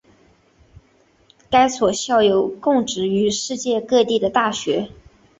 该所的校友供职于世界各地的大学。